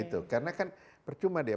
itu karena kan percuma dia